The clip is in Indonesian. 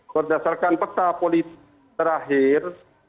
berdasarkan peta politik terakhir